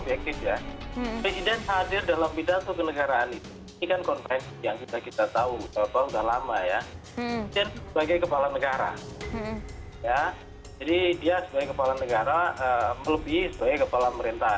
jadi dia sebagai kepala negara lebih sebagai kepala merintah